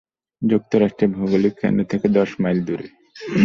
যুক্তরাষ্ট্রের ভৌগোলিক কেন্দ্র থেকে দশ মাইল দূরে।